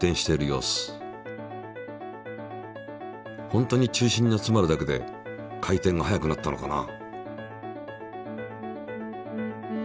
ホントに中心に集まるだけで回転が速くなったのかな？